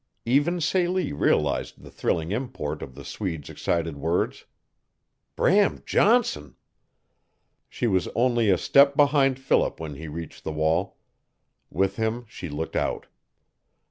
Even Celie realized the thrilling import of the Swede's excited words. BRAM JOHNSON! She was only a step behind Philip when he reached the wall. With him she looked out.